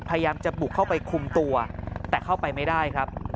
พยายามจะบุกเข้าไปคุมตัวแต่เข้าไปไม่ได้ครับ